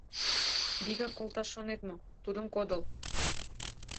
Вигак колташ шонет мо, тудым кодыл